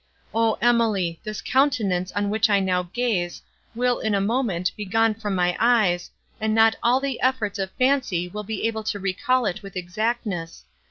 O Emily! this countenance, on which I now gaze—will, in a moment, be gone from my eyes, and not all the efforts of fancy will be able to recall it with exactness.